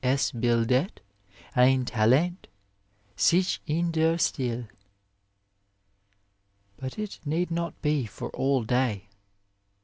Es bi/det ein Talent sich in der Stifle, but it need not be for all day.